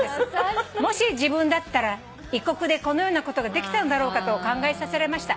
「もし自分だったら異国でこのようなことができたのだろうかと考えさせられました。